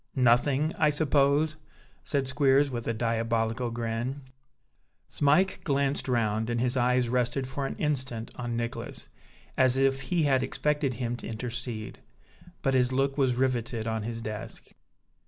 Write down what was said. "Nothing, I suppose?" said Squeers, with a diabolical grin. Smike glanced round, and his eyes rested for an instant on Nicholas, as if he had expected him to intercede; but his look was riveted on his desk.